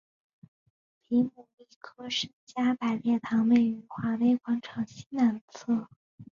皮姆利科圣加百列堂位于华威广场西南侧。